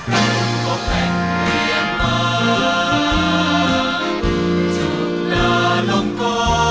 รุ่นของแผ่นเวียงมาจุฬาลงกร